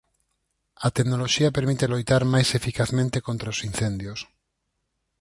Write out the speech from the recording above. A tecnoloxía permite loitar máis eficazmente contra os incendios.